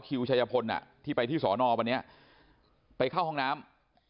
คิวชายพลที่ไปที่สอนอบไปเข้าห้องน้ำ